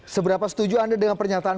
seberapa setuju anda dengan pernyataan